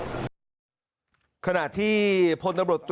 เรื่องนี้นะครับพันธบทเอก